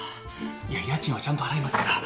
家賃はちゃんと払いますから。